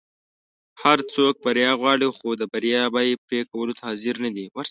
هر څوک بریا غواړي خو د بریا بیی پری کولو ته حاضر نه دي.